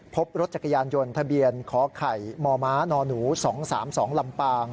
พบรถจักรยานยนต์ทะเบียนขอไข่มมนหนู๒๓๒ลำปาง